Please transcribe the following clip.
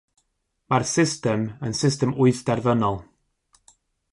Mae'r system yn system wyth derfynol.